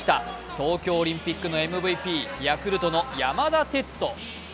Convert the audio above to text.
東京オリンピックのＭＶＰヤクルトの山田哲人。